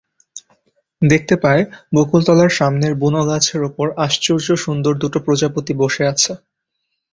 দেখতে পায়, বকুলতলার সামনের বুনোগাছের ওপর আশ্চর্য সুন্দর দুটো প্রজাপতি বসে আছে।